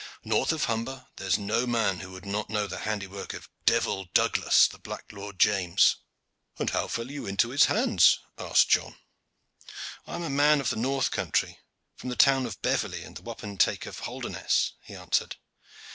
"North of Humber there is no man who would not know the handiwork of Devil Douglas, the black Lord James." "And how fell you into his hands?" asked John. "I am a man of the north country, from the town of Beverley and the wapentake of Holderness," he answered.